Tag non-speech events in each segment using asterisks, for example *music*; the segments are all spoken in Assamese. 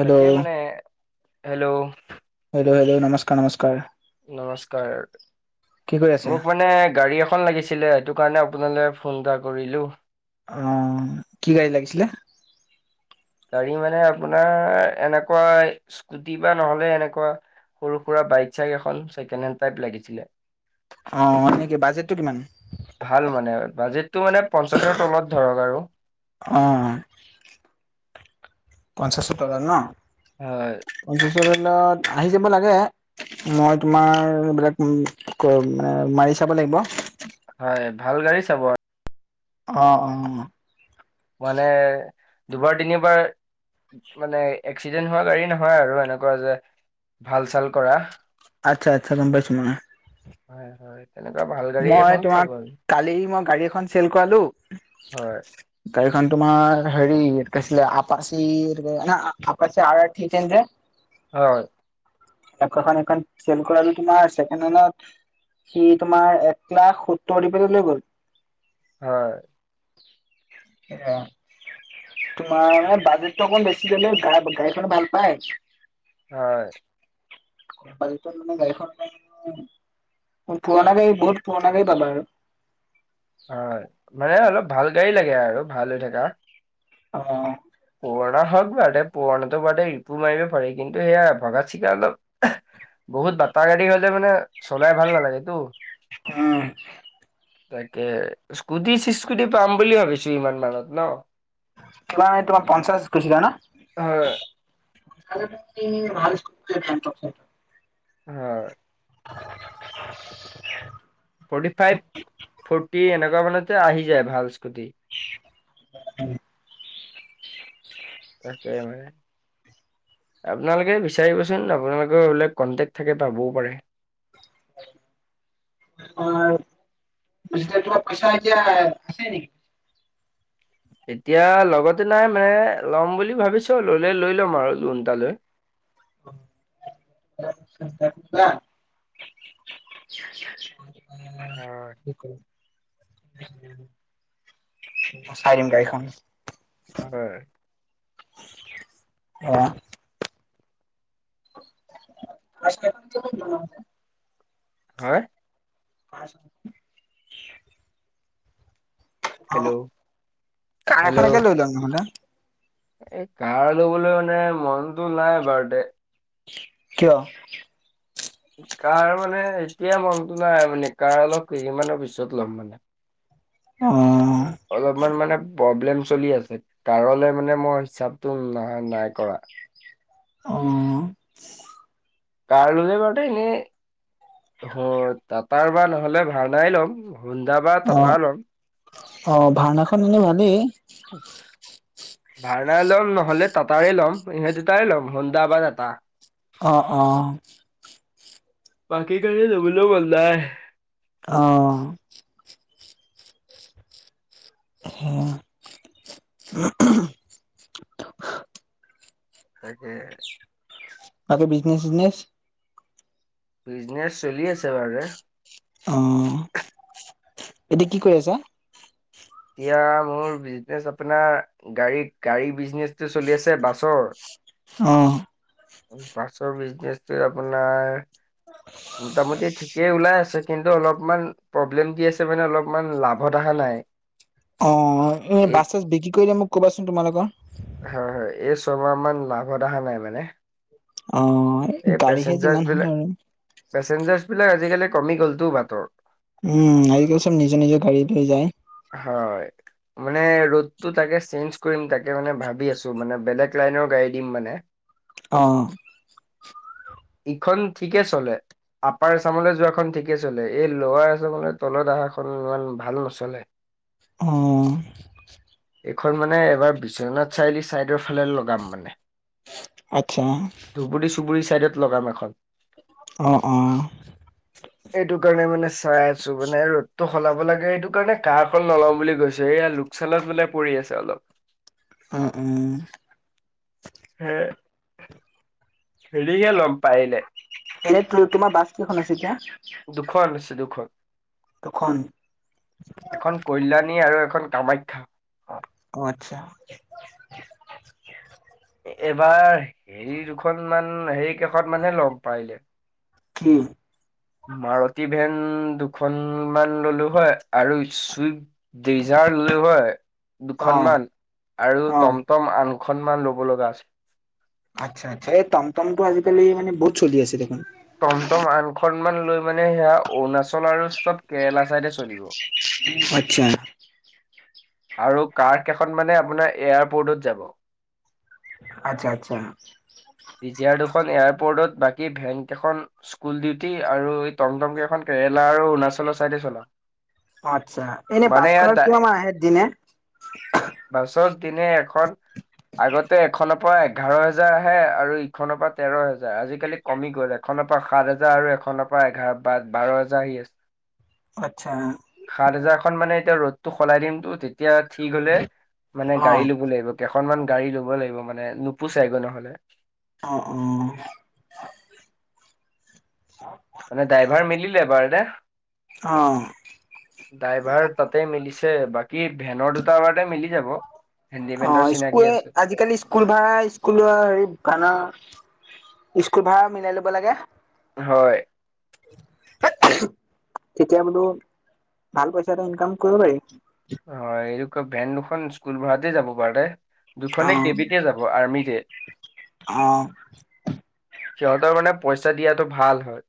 তাক মানে হেল্ল'। হেল্ল', হেল্ল' নমস্কাৰ, নমস্কাৰ। নমস্কাৰ। কি কৰি আছে মোক মানে গাড়ী এখন লাগিছিলে সেইটো কাৰণে আপোনালৈ ফোন এটা কৰিলো। আহ কি গাড়ী লাগিছিলে? গাড়ী মানে আপোনাৰ এনেকুৱা স্কুটি বা নহ'লে এনেকুৱা সৰু সুৰা বাইক চাইক এখন ছেকেণ্ড হেণ্ড টাইপ লাগিছিলে। অ', হেনেকে! বাজেটটো কিমান? ভাল মানে বাজেটটো মানে পঞ্চাশৰ তলত ধৰক আৰু। অহ। পঞ্চাশৰ তলত ন? হয়। *unintelligible* আহি যাব লাগে মই তোমাৰ এইবিলাক উম চাব লাগিব। হয় ভাল গাড়ী চাব আৰু অ', অ'। মানে দুবাৰ তিনিবাৰ মানে এক্সিডেণ্ট হোৱা গাড়ী নহয় আৰু এনেকুৱা যে ভাল চাল কৰা। আচ্ছা আচ্ছা গ'ম পাইছো মই। হয় হয় তেনেকুৱা ভাল গাড়ী মই এখন চাব তোমাক আৰু কালি মই গাড়ী এখন চেল কৰালো হয় গাড়ীখন তোমাৰ হেৰি কৈছিলে আপাচিত আপাচ ঠন যে। হয় চেল কৰাটো তোমাৰছেকেত সি। তোমাৰ এককল লাখ সত্তৰ দিপলৈ লৈ গ'ল হয়। অহ ', তোমাৰে বাজেটটো অকমান বেছি গলে গা গাড়ীখন ভাল পায়। হয়। কোম্পালী মানে গাড়ীখন। পুৰণা গাড়ী বহুত পুৰণা গাড়ী পালা আৰু হয় মানে অলপ ভাল গাড়ী লাগে আৰু ভাল হৈ থকা। অ', পুৰণা হওক বাটে পুৰণাটো বাটে ৰিপু মাৰিব পাৰে কিন্তু সেয়া ভগা চিকা অলপ বহুত বাটা গাড়ী হলে মানে চলাই ভাল নালাগে তো। উম তাকে স্কুটি চিস্কুটি পাম বুলি ভাবিছো ইমান মানত ন। *unintelligible* তোমাৰ পঞ্চাশ কৈছিলা ন হয় *unintelligible* হয়। *inaudible* ফৰ্টি ফাইভ ফৰ্টি এনেকুৱা মানতে আহি যায় ভাল স্কুটি। *inaudible* তাকেই মানে আপোনালোকে বিচাৰিবচোন আপোনালোকৰ এইিলাক কন্টেক্ট থাকে পাবও পাৰে। *inaudible* *unintelligible* বিশ্ব দিছে নিকি এতিয়া লগতে নাই মানে ল'ম বুলি ভাবিছো ললে লৈ ল'ম আৰু লোন এটা লৈ *unintelligible* *unintelligible* হয় চাই দিম গাড়ীখন। হয়। অ', *unintelligible* হয়। *unintelligible* হেল্ল' কাৰ হেল্ল' এখনকে লৈ ল নহলে। এই কাৰ লবলৈ মানে মনতটো নাই বাৰু দে কিয়? কাৰ মানে এতিয়া মনটো নাই মানে কাৰ অলপ কেইদমানৰ পিছত ল'ম। অ', অলপমান মানে প্ৰব্লেম চলি আছে কাৰণে মানে মই হিচাপটো নাই কৰা। অ', কাৰ লগে বাৰু ত এনেই অ, টাটা নহলে ভাল এটাই ল'ম। হোন্দা বা অ টাটা ল'ম - অ ভাওনাখন এনে ভালেই। ভাৰ্ণাই ল'ম নহলে তাতাই ল'ম সেই দুটাই ল'ম হুন্দা বা এটা অ - অ। বাকী ক *unintelligible* অ', *unintelligible* তাকে। তাকে বিজনেচ চিজনেচ। বিজনেচ চলি আছে বাৰে অ এতিয়া কি কৰি আছা এতিয়া মোৰ বিজনেচ আপোনাৰ গাড়ী গাড়ী বিজনেচটো চলি আছে বাছৰ অ' বাছৰ বিজনেচটো আপোনাৰ মোটামুটি ঠিকেই ওলাই আছে কিন্তু অলপমান প্ৰব্লেম দি আছে মানে অলপমান লাভত অহা নাই অ এ এই বাছ চাছ বিক্ৰী কৰিলে মোক কবাচোন তোমালোকৰ লাভদ অহা নাই মানে অ এই গাড়ীহে পেচেঞ্জাৰছ যিমান হ'ল বিলাক আৰু পেচেঞ্জাৰছ বিলাক আজিকালি কমি গ'লতো বাটৰ উম আজিকালি চব নিজৰ নিজৰ গাড়ী লৈ যায় হয় মানে ৰডতো তাকে চেঞ্জ কৰিম তাকে মানে ভাবি আছো মানে বেলেগ লাইনৰ গাড়ী দিম মানে অ ইখন ঠিকে চলে আপাৰ এচামলৈ যোৱাখন ঠিকে চলে, এই লাৰ এচামলৈ তলত আহাখন ইমান ভাল নচলে। অহ এইখন মানে এবাৰ বিশ্বনাথ চাৰিআলি চাইদৰ ফালে লগাম মানে, আচ্ছা, ধুবুৰী চুবুৰী লগাম এখন অ', অ', এটো কাৰণে মানে চাই আছো মানে ৰ'দটো সলাব লাগে এইটো কাৰণে কাৰখন নলম বুলি কৈছো, এইয়া লোকচানত মানে পৰি আছে অলপ অ উম হে, হেৰিকে লম পাৰিলে এনে তোমাৰ বাছ কেইখন আছে? এতিয়া, দুখন আছে দুখন। দুখন, এখন কল্যাণী আৰু এখন কামাখ্যা অ অ, আচ্ছা এবাৰ হেৰি দুখন মান হেৰি কেশত মানহে লম পাৰিলে কি? মাৰুতি ভেন দুখন মান ললো হয়, আৰু চুইফট ডিজাৰ লৈ হয় অ', দুখনমান আৰু অ'। টমটম আন দুখমান ল'ব লগা আছ আচ্ছা-আচ্ছা এই তমটমটো আজিকালি মানে বহুত চলি আছে দেখোন, টমটম আনখনমান লৈ মানে সেয়া অৰুণাচল আৰু চব কেৰেলা ছাইডে চলিব আচ্ছা, আৰু কাৰ কেইখন মানে আপোনাৰ এয়াৰপ'ৰ্টত যাব আচ্ছা আচ্ছা বিজিয়াৰ দুখন এয়াৰপোৰ্টত বাকী ভেংক এখন স্কুল ডিউটি আৰু এই টমটমক এখন কেৰেলা আৰু অৰুণাচলৰ চাইডে চলাওঁ। অ, আচ্ছা এনে পছখৰ কিয় মাহ আহে দিনে? বাছত দিনে এখন আগতে এখন পৰা এঘাৰ হেজাৰ আহে আৰু ইখনৰ পৰা তেৰ হেজাৰ আজিকালি কমি গ'ল এখনৰ পৰা সাত হাজাৰ আৰু এ এখনৰ পৰা এঘাৰ বা বাৰ হাজাৰ আহি আছে। *inaudible* সাতজাৰ খন মানে এতিয়া ৰ'দটো সলাই দিমতো তেতিয়া ঠিক হলে মানে অ গাড়ী ল'ব লাগিব কেইখনমান গাড়ী ল'ব লাগিব মান মানে নোপোচাই গৈ নহ'লে অ-অ মানে ড্ৰাইভাৰ মিলিলে বাৰু দে অ ড্ৰাইভাৰ তাতে মিলিছে বাকী ভেনৰ দুটাৰতে মিলি যাব। অ, হেণ্ডিমেনৰ চিনাকি স্কুল আছে। আজিকালি স্কুল ভাড়া স্কুলৰ আনা স্কুল ভাড়া মিলাই ল'ব লাগে। হয়। তেতিয়া বোলো ভাল পইচা এটা ইনকাম কৰিব পাৰি। হয়, এইটো ক ভেন দুখন স্কুল ভ়াতে যাব পাৰ দে অ দুখনে কেইবিতে যাব আৰ্মিতে অ',। সিহঁতৰ মানে পইচা দিয়াতটো ভাল হয়।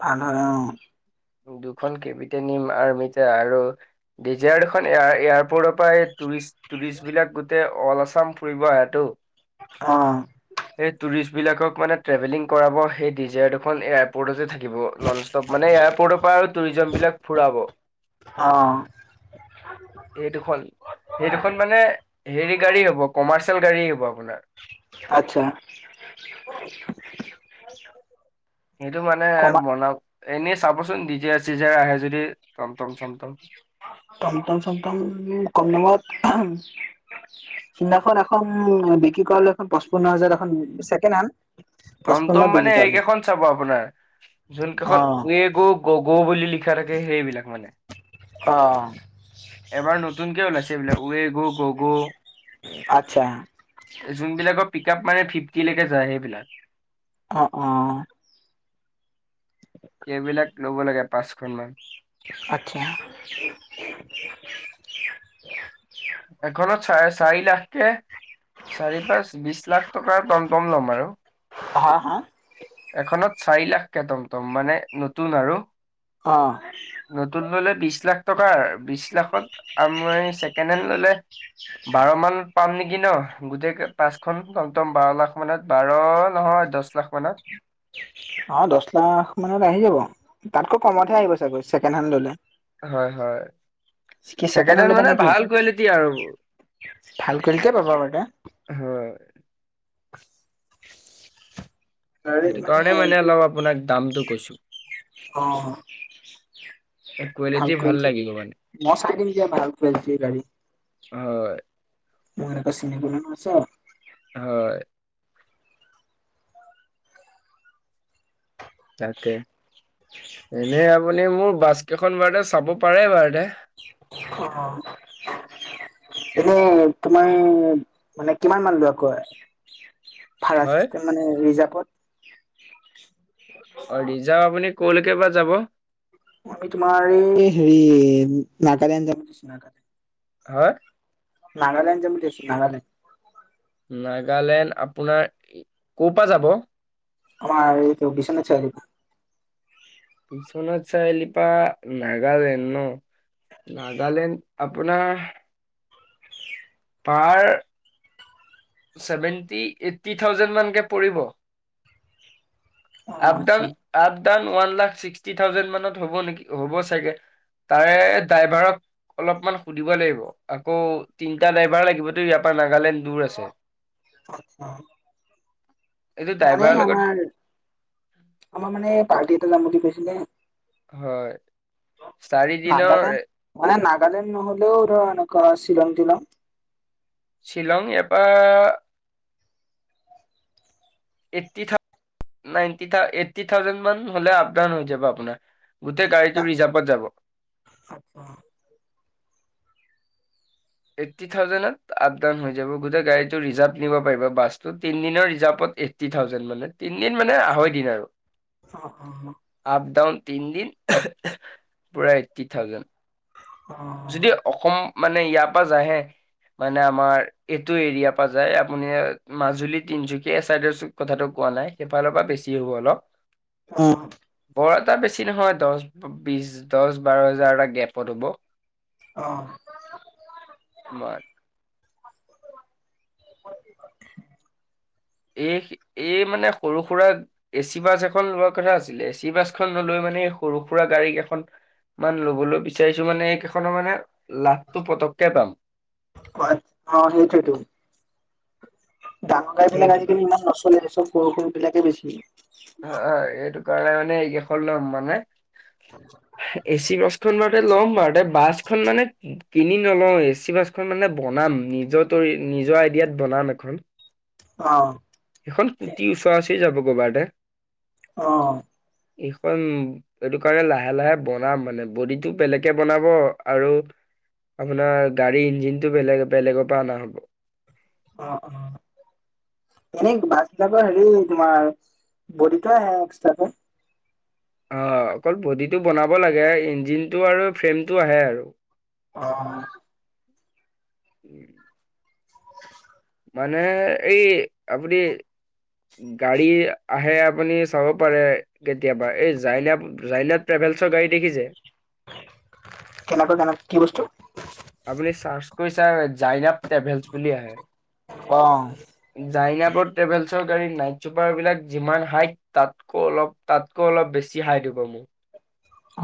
ভাল হয়। দুখন কেপিট নিম আৰ্মিতে আৰু ডিজাৰখন এয়াৰপৰ্টত টুৰিষ্ট-টুৰিষ্ট বিলাক গোট অল আছাম ফুৰিব আহেটো অ',। যি বিলাকক মানে ট্ৰেভেলিং কৰাব সেই ডিজায়াৰ দুখন এয়াৰপৰ্টতে যে থা কিব নন ষ্টপ মানে এয়াৰপৰ্টৰ পৰা আৰু টুৰিজম বিলাক ফুৰাব অ এই দুখন সেই দুখন মানে হেৰি গাড়ী হ'ব কমাৰ্চি য়েল গাড়ী আহিব আপোনাৰ আচ্ছা। সেইটো মানে কমা বনাওঁক এনেই চাবচোন ডিজায়ৰ চিজায়ৰ আহে যদি চমটম টমটম চমতম কম দামত সিদিনাখন এখন বিক্ৰী কৰালে এখন পোঞ্চান্ন হাজাৰত এখন ছেকেণ্ড হেণ্ড পঁচপন্নত টমটম মানে বিক্ৰী কৰালো এইকেইখন চাব আপোনাৰ যোন কেইখন অ ৱেগ' গ'গ' বুলি লি খা থাকে সেইবিলাক মানে অহ। এবাৰ নতুনকে ওলাইছে এইবিলাক ৱেগ' গ'গ', আচ্ছা যোনবিলাকৰ পিক আপ মানে ফিফটি লৈকে যায় সেইবিলাক অহ, অহ। সেইবিলাক ল'ব লাগে পাঁচখন মান। আচ্ছা। এখনত চাৰে চাৰি লাখ কে চাৰি পাঁচ বিশ লাখ টকাৰ টমটম ল'ম আৰু। হা, হা। এখনত চাৰি লাখ কে টমটম মানে নতুন আৰু, অ নতুন ল'লে বিশ লাখ টকাৰ বিশ লাখত আমি ছেকেণ্ড হেণ্ড ল'লে বাৰ মানত পাম নে কি ন গোটেই পাঁচখন টমটম বাৰ লাখ মানত বাৰ নহয় দহ লাখ মানত। অ', দহ লাখ মানত আহি যাব তাতকৈ কমতহে আহিব চাগৈ ছেকেণ্ড হেণ্ড ল'লে হয়, হয় কি ছেকেণ্ড হেণ্ড ল'বা মানে নেকি ভাল কোৱালিটি আৰু। ভাল কোৱালিটিয়ে পাবা। হয় সেইটো কাৰণে মানে অলপ আপোনাক দামটো কৈছো। অহ। ভাল কোৱালিটি মই চাই দিম দিয়া ভাল কোৱালিটিৰ গাড়ী। হয়। *inaudible* হয়। তাকে। এনে আপুনি মোৰ বাছ কেইখন বাৰতে চাব পাৰে বাৰতে *unintelligible* এনে তোমাৰ মানে কিমান মান লোৱা আকৌ। ভাড়া হয় চিষ্টেম মানে ৰিজাৰ্ভত। অ', ৰিজাৰ্ভ আপুনি ক'লৈকে বা যাব। আমি তোমাৰ এই হেৰি নাগালেণ্ড যাম ভাবিছো নাগালেণ্ড। হয় নাগালেণ্ড যাম বুলি ভাবিছো নাগালেণ্ড নাগালেণ্ড আপোনাৰ ক' পা যাব আমাৰ এই কিবা বিশ্বনাথ চাৰিআলি পা বিশ্বনাথ চাৰআলিৰ পা নাগালেণ্ড ন নাগালেণ্ড আপোনাৰ তাৰ ছেভেন্টি এইটটি থাউজেণ্ড মানকে পৰিব অ' আপ আচ্ছা down up down one lakh sixty thousand মানত হ'ব নেকি হ'ব চাগে তাৰে ড্ৰাইভাৰক অলপমান সুধিব লাগিব আকৌ তিনিটা ড্ৰাইভাৰ লাগিব দেই ইয়াৰ পৰা নাগালেণ্ড দূৰ আছে আচ্ছা এইটো মানে ড্ৰাইভাৰৰ লগত আমাৰ, আমাৰ মানে পাৰ্টি এটা যাম বুলি কৈছিলে হয় চাৰিদিনৰ নাগালেণ্ড মানে নাগালেণ্ড নহলেও ধৰ ক শ্বিলং তিলং শ্বিলং ইয়াপা এইটটি থা নাইটি থা এইটটি থাউজেণ্ড মান হলে আপডাউন হৈ যাব আপোনাৰ গোটেই গাড়ীটো ৰিজাৰ্ভত যাব এইটটি থাউজেণ্ডত আপ ডাউন হৈ যাব গোটে গাড়ীটো ৰিজাৰ্ভ নিব পাৰিব বাছটো তিনিদিনৰ ৰিজাৰ্ভত এইটটি থাউজেন্ড মানে তিনদিন মানে আঢ়ৈ দিন আৰু আপ ডাউন তিন দিন পুৰা এইটটি থাউজেণ্ড যদি অসম মানে ইয়াৰ পৰা যায় হে মানে আমাৰ এইটো এৰিয়া পা যায় আপুনি মাজুলী তিনচুকীয়া এই চাইডৰ কথাটো ক কোৱা নাই সেইফালৰ পৰা বেছি হ'ব অলপ উম বৰ এটা বেছি নহয় দহ বিছ দহ বাৰ হেজাৰটা গেপত হ'ব অ', এই এই মানে সৰু সুৰা এচি বাছ এখন লোৱাৰ কথা আছিলে এচি বাছখন নলৈ মানে মানে সৰু সুৰা গাড়ী কেইখন মান লবলৈ বিচাৰিছো মানে এই কেইখনৰ মানে লাভটো পতককে পাম অ', সেইটোৱেইতো ডাঙৰ গাড়ী বিলাক সেইটো আজিকালি কাৰণে ইমান নচলে চব সৰু সৰু বিলাকে বেছি অ', হয় এইটো কাৰণে মানে এই কেখন লম মানে এচি বাছখন কে ল'ম বাছখন মানে কিনি নলওঁ এ চি বাছখন মানে বনাম নিজৰ ত নিজৰ আই ইয়াত বনাম এখন অ', সেইখন কোটিৰ ওচৰাওচৰি যাবগৈ বাৰডাৰ অ', এইখন এইটো কাৰণে লাহে লাহে বনাম মানে বডিটো বেলেগে বনাব আৰু আপোনাৰ গাড়ীৰ ইঞ্জিনটো বেলেগ বেলেগৰ পৰা অনা হ'ব অ', অ', এনেই বাছবিলাকৰ হেৰি তোমাৰ বডিটো আহে এক্সট্ৰাকে অ', অকল বডিটো বনাব লাগে ইঞ্জিনটো আৰু ফ্ৰেমটো আহে আৰু অ', উম মানে এই আপুনি গাড়ী আহে আপুনি চাব পাৰে কেতিয়াবা এই জাইলা জাইলাপ লৱেছৰ গাড়ী দেখিছে কেনেকৈ কেনেক কি বস্তু আপুনি চাৰ্চ কৰি চাওক জাইনাপ ট্ৰেভেলছ বুলি আহে অ' জায়নাপত ট্ৰেভেলছ গাড়ীত নাইট চুপাৰ বিলাক যিমান হাইট, তাতকৈ অলপ তাতকৈ অলপ বেছি হাইট হ'ব মোক।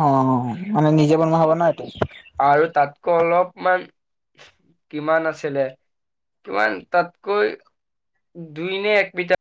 অ', মানে নিজে বনোৱা হ'ব ন', এইটো আৰু তাতকৈ অলপমান, কিমান আছিলে? কিমান তাতকৈ দুই নে এক মিটাৰ